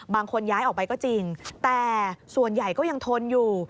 ย้ายออกไปก็จริงแต่ส่วนใหญ่ก็ยังทนอยู่